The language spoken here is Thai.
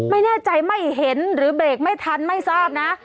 ไม่แน่ใจไม่เห็นหรือเบรกไม่ทันไม่ทราบนะ